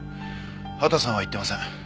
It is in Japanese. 秦さんは行ってません。